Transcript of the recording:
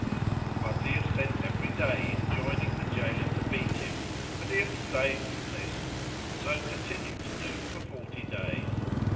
The Wazir sent every day enjoining the jailor to beat him, but he abstained from this, and so continued to do for forty days.